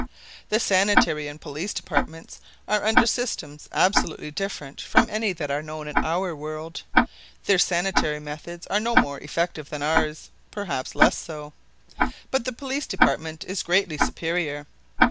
The Sanitary and Police Departments are under systems absolutely different from any that are known in our world. Their sanitary methods are no more effective than ours, perhaps less so. But the Police Department is greatly superior.